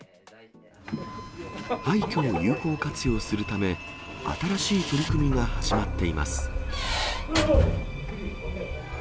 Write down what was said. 廃虚を有効活用するため、新しい取り組みが始まっています。